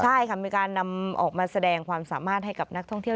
ใช่ค่ะมีการนำออกมาแสดงความสามารถให้กับนักท่องเที่ยว